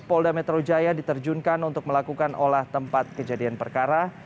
polda metro jaya diterjunkan untuk melakukan olah tempat kejadian perkara